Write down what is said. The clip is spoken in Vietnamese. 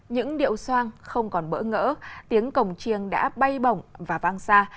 những điệu soang không còn bỡ ngỡ tiếng cổng chiêng đã bay bỏng và vang xa